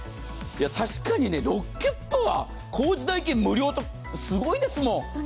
確かにね、ロッキュッパは工事代金無料とかすごいですもん。